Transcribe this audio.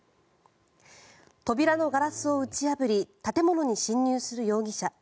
扉のガラスを打ち破り建物に侵入する容疑者。